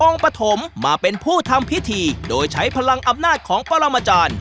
ปฐมมาเป็นผู้ทำพิธีโดยใช้พลังอำนาจของปรมาจารย์